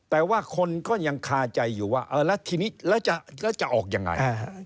แต่ว่าคนก็ยังคาใจอยู่ว่าแล้วทีนี้แล้วจะออกยังไง